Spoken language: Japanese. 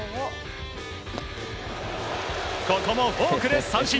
ここもフォークで三振。